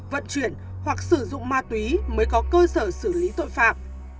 vận chuyển hoặc sử dụng ma túy mới có cơ sở xử lý tội phạm